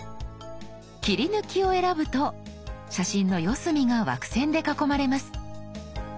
「切り抜き」を選ぶと写真の四隅が枠線で囲まれます。